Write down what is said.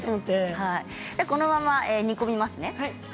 このまま煮込みますね。